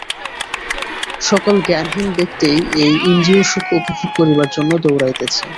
সকল জ্ঞানহীন ব্যক্তিই এই ইন্দ্রিয়সুখ উপভোগ করিবার জন্য দৌড়াইতেছে।